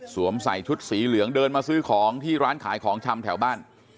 ใส่ชุดสีเหลืองเดินมาซื้อของที่ร้านขายของชำแถวบ้าน